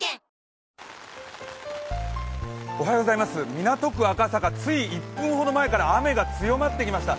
港区赤坂、つい１分ほど前から雨が強まってきました。